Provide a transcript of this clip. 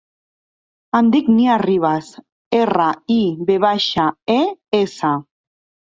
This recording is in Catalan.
Em dic Nia Rives: erra, i, ve baixa, e, essa.